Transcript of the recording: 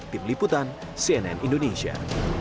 tim liputan cnn indonesia